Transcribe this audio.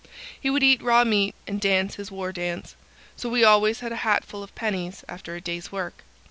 He would eat raw meat and dance his war dance: so we always had a hatful of pennies after a day's work.